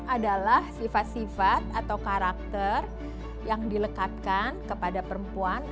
adalah sifat sifat atau karakter yang dilekatkan kepada perempuan